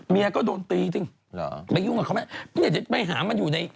เมียก็โดนตีจริงเหรอไปยุ่งกับเขาไหมไม่อยากจะไปหามันอยู่ใน